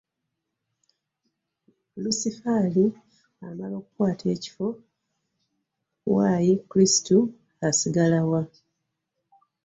Lusiferi amala okukwata ekifo Y.Kristu asigala wa?